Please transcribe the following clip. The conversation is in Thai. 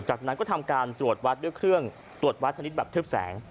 จากนั้นก็ทำการตรวจวัดด้วยเครื่องตรวจวัดชนิดแบบทึบแสง